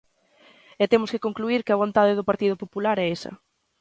E temos que concluír que a vontade do Partido Popular é esa.